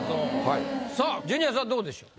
さあジュニアさんどうでしょう？